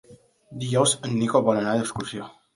Dijous en Nico vol anar d'excursió.